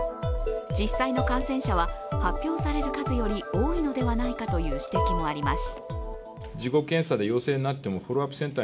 実際の感染者は発表される数より多いのではないかという指摘もあります。